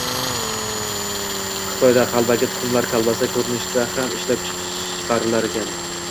: Xitoyda qalbaki tuxumlar kolbasa koʻrinishida ham ishlab chiqarilarkan.